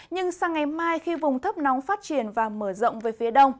nhưng sang ngày mai khi vùng thấp nóng phát triển và mở rộng về phía đông